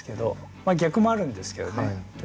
まあ逆もあるんですけどね。